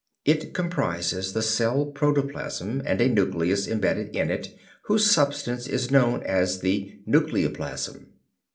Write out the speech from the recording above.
It comprises the cell protoplasm and a nucleus imbedded in it whose substance is known as the nucleoplasm.